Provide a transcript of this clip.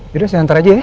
yaudah saya nanti aja ya